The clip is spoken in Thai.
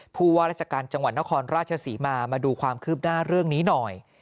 ผู้ว่าราชการจังหวัดนครราชศรีมามาดูความคืบหน้าเรื่องนี้หน่อย